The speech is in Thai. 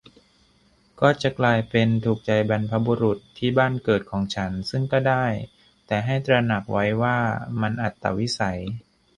ก็จะกลายเป็น "ถูกใจบรรพบุรุษที่บ้านเกิดของฉัน" ซึ่งก็ได้ แต่ให้ตระหนักไว้ว่ามันอัตวิสัย